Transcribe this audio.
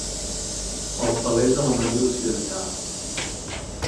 El pelés a la manera occidental.